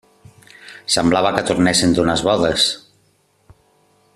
Semblava que tornessin d'unes bodes…